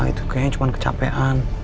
itu kayaknya cuma kecapean